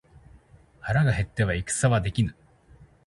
腹が減っては戦はできぬ